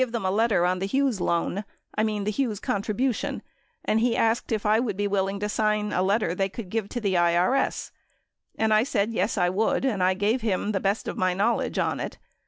1022 letter on the Hughes loan, I mean the Hughes contribution and he asked if I would be willing to sign a letter they could give to the IRS and I said, "Yes, I would," and I gave him the best of my knowledge on it.